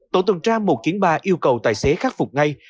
tổ tuần tra một kiến ba yêu cầu tài xế khắc phục ngay